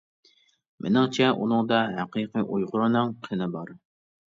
مېنىڭچە ئۇنىڭدا ھەقىقىي ئۇيغۇرنىڭ قېنى بار.